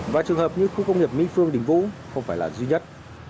và trường hợp như khu công nghiệp mỹ phương đình vũ không phải là duy nhất